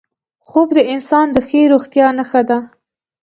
خوب د انسان د ښې روغتیا نښه ده